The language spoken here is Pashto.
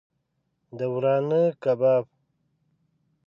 د ورانه کباب